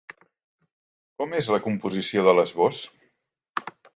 Com és la composició de l'esbós?